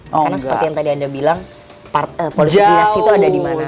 karena seperti yang tadi anda bilang politik dinas itu ada dimana